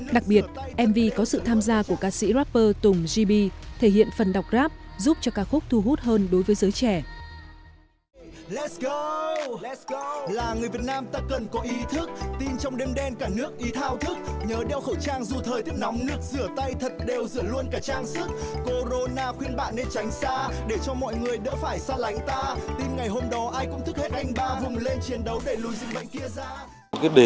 đặc biệt mv có sự tham gia của ca sĩ rapper tùng gb thể hiện phần đọc rap giúp cho ca khúc thu hút hơn đối với giới trẻ